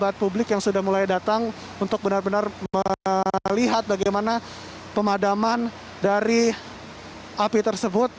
buat publik yang sudah mulai datang untuk benar benar melihat bagaimana pemadaman dari api tersebut